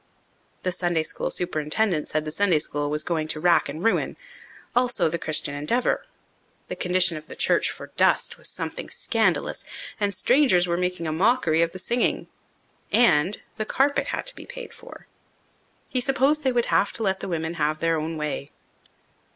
The Sunday School superintendent said the Sunday School was going to wrack and ruin, also the Christian Endeavour. The condition of the church for dust was something scandalous, and strangers were making a mockery of the singing. And the carpet had to be paid for. He supposed they would have to let the women have their own way.